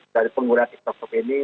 dari penggunaan tiktok top ini